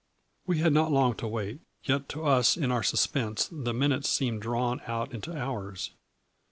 We had not long to wait, yet to us in our suspense the minutes seemed drawn out into hours.